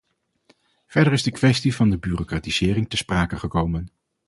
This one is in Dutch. Verder is de kwestie van de bureaucratisering ter sprake gekomen.